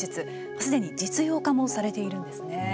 すでに実用化もされているんですね。